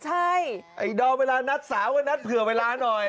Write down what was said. ไอ้ดอลเวลานัดสาวเผื่อเวลาหน่อย